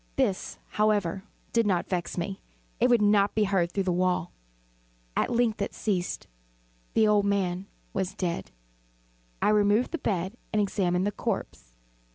This, however, did not vex me; it would not be heard through the wall. At length it ceased. The old man was dead. I removed the bed and examined the corpse.